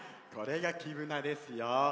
これが黄ぶなですよ。